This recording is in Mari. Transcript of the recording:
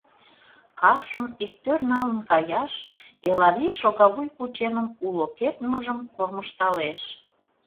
Кашым иктӧр налын каяш Элавий шогавуй кучемым уло кертмыжым кормыжталеш.